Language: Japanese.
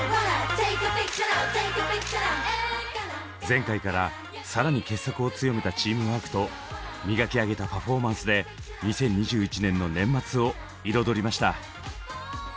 前回から更に結束を強めたチームワークと磨き上げたパフォーマンスで２０２１年の年末を彩りました。